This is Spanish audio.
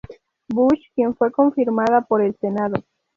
Bush, quien fue confirmada por el Senado.